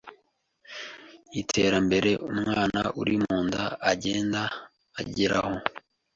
iterambere umwana uri mu nda agenda ageraho